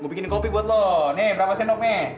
gue bikinin kopi buat lo nih berapa sendok nih